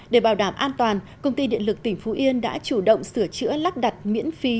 để bảo đảm an toàn công ty điện lực tỉnh phú yên đã chủ động sửa chữa lắp đặt miễn phí